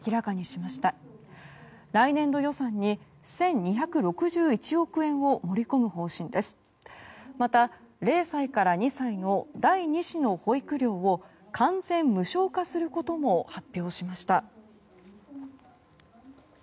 また、０歳から２歳の第２子の保育料を完全無償化することも発表しました。